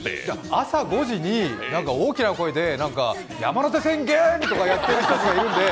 朝５時に大きな声で山手線ゲームとかやっている人いたので。